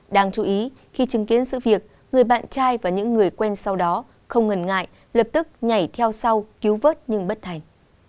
đáng chú ý khi chứng kiến sự việc người bạn trai và những người quen sau đó không ngần ngại lập tức nhảy theo sau cứu vớt nhưng bất thành